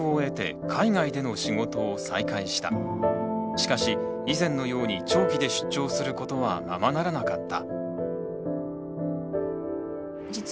しかし以前のように長期で出張することはままならなかった。